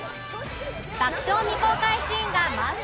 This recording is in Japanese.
爆笑未公開シーンが満載です